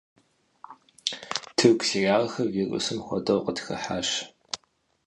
Тырку сериалхэр вирусым хуэдэу къытхыхьащ.